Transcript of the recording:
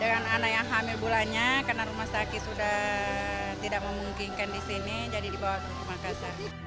dengan anak yang hamil bulannya karena rumah sakit sudah tidak memungkinkan di sini jadi dibawa ke makassar